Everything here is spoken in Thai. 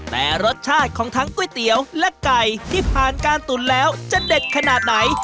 แต่รสชาติของทั้งก๋วยเตี๋ยวและไก่ที่ผ่านการตุ๋นแล้วจะเด็ดขนาดไหน